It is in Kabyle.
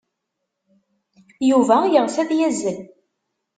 Yuba yeɣs ad yazzel.